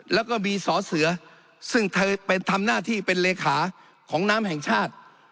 แล้วก็มีสอเสือซึ่งเธอไปทำหน้าที่เป็นเลขาของน้ำแห่งชาติ